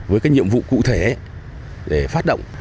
với những nhiệm vụ cụ thể để phát động